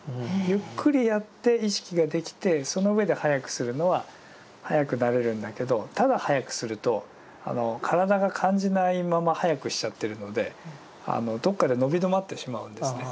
ゆっくりやって意識ができてそのうえで速くするのは速くなれるんだけどただ速くすると体が感じないまま速くしちゃってるのでどこかで伸び止まってしまうんですね。